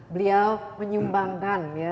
beliau menyumbangkan ya